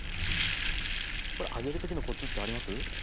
これ揚げる時のコツってあります？